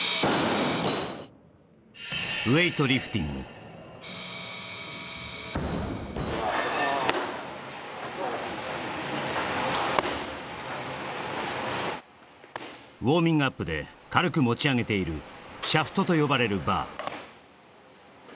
しっかりウォーミングアップで軽く持ち上げているシャフトと呼ばれるバー